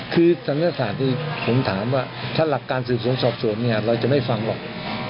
คือศัลยศาสตร์นี้ผมถามว่าถ้าหลักการสืบสวนสอบสวนเนี่ยเราจะไม่ฟังหรอก